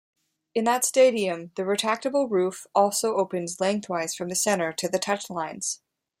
In that stadium, the retractable-roof also opens lengthwise from the center to the touchlines.